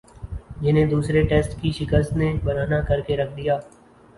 جنہیں دوسرے ٹیسٹ کی شکست نے برہنہ کر کے رکھ دیا